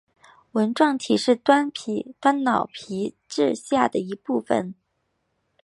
纹状体是端脑皮质下的一部份。